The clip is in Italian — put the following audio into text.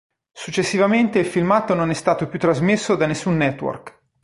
Successivamente il filmato non è stato più trasmesso su nessun network.